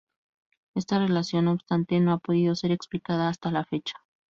Esta relación, no obstante, no ha podido ser explicada hasta la fecha.